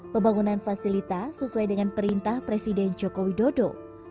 pembangunan fasilita sesuai dengan perintah presiden jokowi dodo